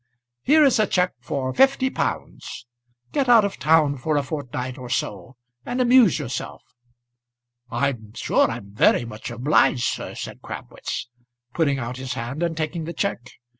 Here is a cheque for fifty pounds. Get out of town for a fortnight or so, and amuse yourself." "I'm sure I'm very much obliged, sir," said Crabwitz, putting out his hand and taking the cheque.